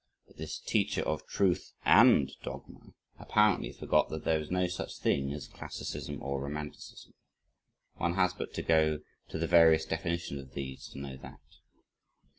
But this teacher of "truth AND dogma" apparently forgot that there is no such thing as "classicism or romanticism." One has but to go to the various definitions of these to know that.